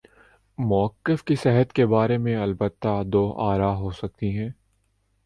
موقف کی صحت کے بارے میں البتہ دو آرا ہو سکتی ہیں۔